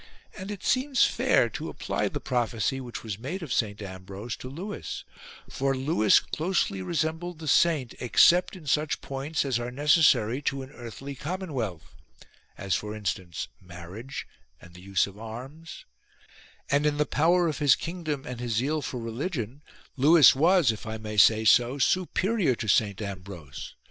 And it seems fair to apply the prophecy which was made of Saint Ambrose to Lewis ; for Lewis closely resembled the saint, ex cept in such points as are necessary to an earthly 126 LEWIS DEFENDS ST GALL commonwealth, as for instance marriage and the use of arms ; and in the power of his kingdom and his zeal for religion, Lewis was, if I may say so, superior to Saint Ambrose.